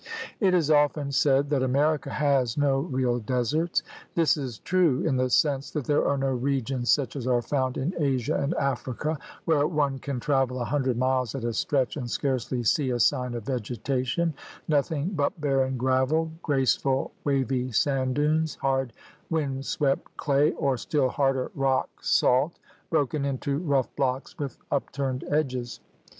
It is often said that America has no real deserts. This is true in the sense that there are no regions such as are found in Asia and Africa where one can travel a hundred miles at a stretch and scarcely see a sign of vegetation — nothing but barren gravel, graceful wavy sand dunes, hard wind swept clay, or still harder rock salt broken into rough blocks with upturned edges.